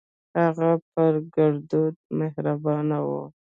هغه پر ګردو مهربان و.